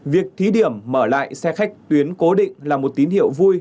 việc thí điểm mở lại xe khách tuyến cố định là một tín hiệu vui